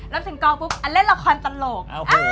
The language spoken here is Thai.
แล้วถึงกองปุ๊บอันเล่นละครตลก